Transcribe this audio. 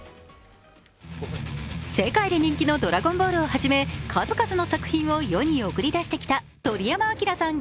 世界で人気の「ドラゴンボール」をはじめ数々の作品を世に送り出してきた鳥山明さん